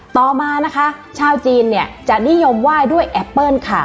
ต่อมานะคะชาวจีนเนี่ยจะนิยมไหว้ด้วยแอปเปิ้ลค่ะ